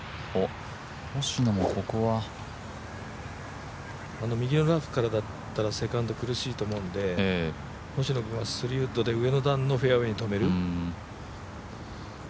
星野もここは右のラフからだったらセカンド苦しいと思うので星野君は、３ウッドで上のフェアウェーに止める。